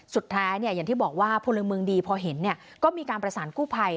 สุดท้ายอย่างที่บอกว่าผลมืองมืองดีพอเห็นเนี่ยก็มีการประสานกู้ภัย